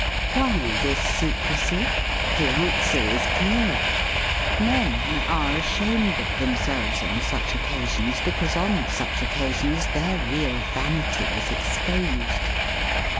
Why this secrecy? The answer is clear. Men are ashamed of themselves on such occasions because on such occasions their real vanity is exposed.